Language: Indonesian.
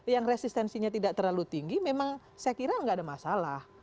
yang resistensinya tidak terlalu tinggi memang saya kira nggak ada masalah